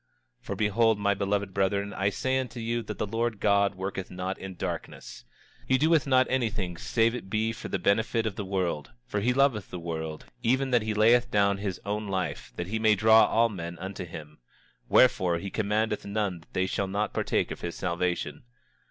26:23 For behold, my beloved brethren, I say unto you that the Lord God worketh not in darkness. 26:24 He doeth not anything save it be for the benefit of the world; for he loveth the world, even that he layeth down his own life that he may draw all men unto him. Wherefore, he commandeth none that they shall not partake of his salvation.